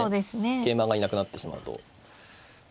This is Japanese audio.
桂馬がいなくなってしまうと。